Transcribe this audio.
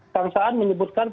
kang saan menyebutkan